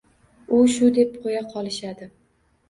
U shu deb qo‘ya qolishadi.